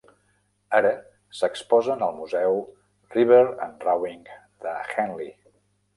Ara s'exposen al museu River and Rowing de Henley.